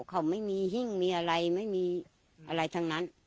เขาไม่มีหิ้งมีอะไรไม่มีอะไรทั้งนั้น